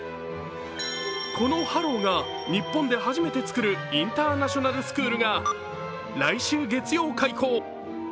このハロウが日本で初めてつくるインターナショナルスクールが来週月曜開校。